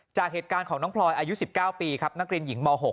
จากเหตุการณ์ของน้องพลอยอายุ๑๙ปีครับนักเรียนหญิงม๖